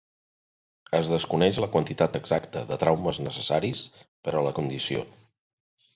Es desconeix la quantitat exacta de traumes necessaris per a la condició.